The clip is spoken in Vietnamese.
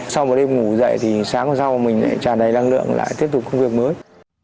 sau một đêm ngủ dậy thì sáng hôm sau mình lại tràn đầy năng lượng lại tiếp tục công việc mới